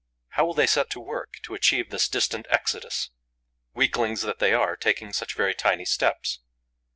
How will they set to work to achieve this distant exodus, weaklings that they are, taking such very tiny steps?